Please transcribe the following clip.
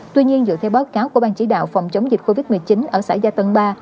tuy nhiên dựa theo báo cáo của ban chỉ đạo phòng chống dịch covid một mươi chín ở xã gia tân ba